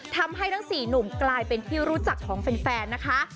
ทั้ง๔หนุ่มกลายเป็นที่รู้จักของแฟนนะคะ